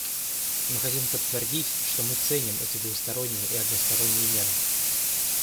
Мы хотим подтвердить, что мы ценим эти двусторонние и односторонние меры.